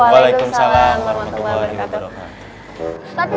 waalaikumsalam warahmatullahi wabarakatuh